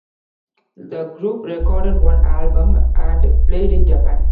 The group recorded one album and played in Japan.